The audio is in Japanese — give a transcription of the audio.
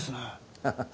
ハハハ。